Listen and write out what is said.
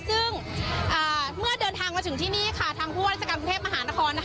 ซึ่งเมื่อเดินทางมาถึงที่นี่ค่ะทางผู้ว่าราชการกรุงเทพมหานคร